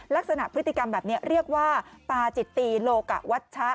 ลักษณะพฤติกรรมแบบนี้เรียกว่าปาจิตีโลกะวัชชะ